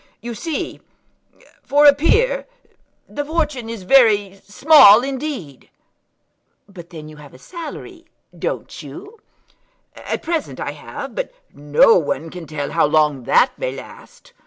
"You see, for a peer, the fortune is very small indeed." "But then you have a salary; don't you?" "At present I have; but no one can tell how long that may last."